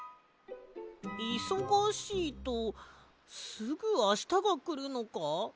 いそがしいとすぐあしたがくるのか？